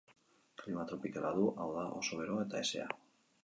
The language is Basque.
Klima tropikala du, hau da, oso beroa eta hezea.